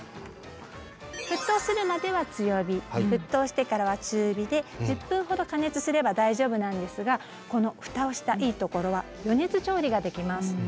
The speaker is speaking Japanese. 沸騰するまでは強火沸騰してからは中火で１０分ほど加熱すれば大丈夫なんですがこの蓋をしたいいところは余熱調理ができます。